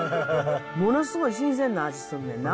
ものすごい新鮮な味すんねんな。